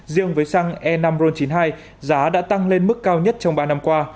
riêng với xăng e năm ron chín mươi hai giá đã tăng lên mức cao nhất trong ba năm qua